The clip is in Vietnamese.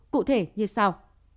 cụ thể như sau